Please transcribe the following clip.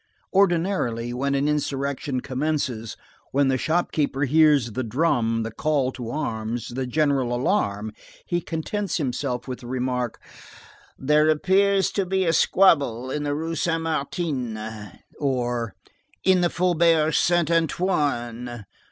Ordinarily, when an insurrection commences, when the shop keeper hears the drum, the call to arms, the general alarm, he contents himself with the remark:— "There appears to be a squabble in the Rue Saint Martin." Or:— "In the Faubourg Saint Antoine."